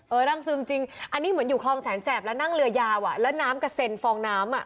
ร่างซึมจริงอันนี้เหมือนอยู่คลองแสนแสบแล้วนั่งเรือยาวอ่ะแล้วน้ำกระเซ็นฟองน้ำอ่ะ